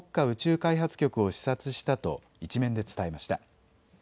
宇宙開発局を視察したと１面で伝えました。